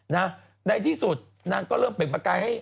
ในที่สุดนางก็เริ่มเป็นอภักรณ์ให้